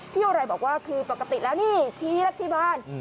โยไรบอกว่าคือปกติแล้วนี่ชี้แล้วที่บ้าน